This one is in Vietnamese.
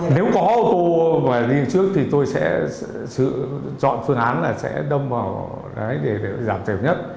nếu có ô tô mà đi trước thì tôi sẽ chọn phương án là sẽ đâm vào đấy để giảm tiền nhất